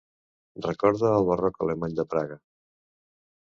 Recorda el barroc alemany de Praga.